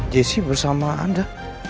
jessie bersama anda